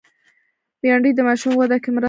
بېنډۍ د ماشوم وده کې مرسته کوي